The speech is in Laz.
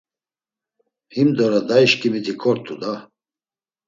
Himdora dayişǩimiti kort̆u da!